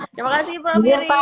terima kasih prof iris